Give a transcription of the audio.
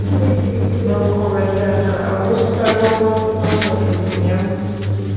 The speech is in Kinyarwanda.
nuko bajyana abusalomu bamujugunya mu